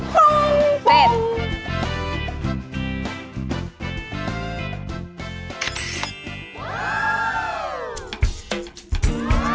ปุ้งปุ้ง